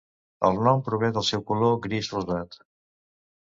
El nom prové del seu color gris rosat.